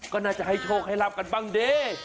ก็น่าจะให้โชคให้รับกันบ้างดี